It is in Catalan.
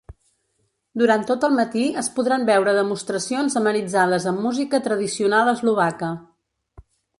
Durant tot el matí es podran veure demostracions amenitzades amb música tradicional eslovaca.